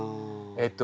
えっと